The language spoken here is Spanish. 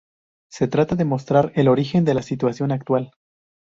Se trata de mostrar el origen de la situación actual.